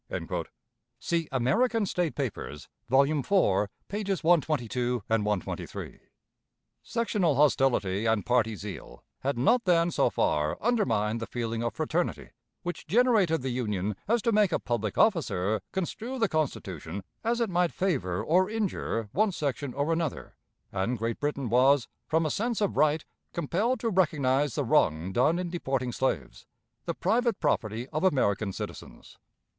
(See "American State Papers," vol. iv, pp. 122, 123.) Sectional hostility and party zeal had not then so far undermined the feeling of fraternity which generated the Union as to make a public officer construe the Constitution as it might favor or injure one section or another, and Great Britain was, from a sense of right, compelled to recognize the wrong done in deporting slaves, the private property of American citizens.